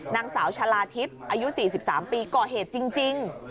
นางสาวชาลาทิพย์อายุ๔๓ปีก่อเหตุจริง